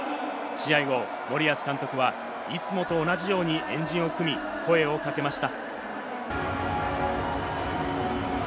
試合後、森保監督はいつもと同じように円陣を組み、声をかけました。